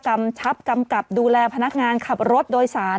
กำชับกำกับดูแลพนักงานขับรถโดยสาร